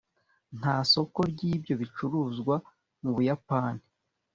nta soko ryibyo bicuruzwa mubuyapani